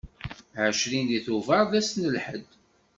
Ɛecrin di tubeṛ d ass n lḥedd.